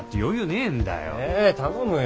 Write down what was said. え頼むよ。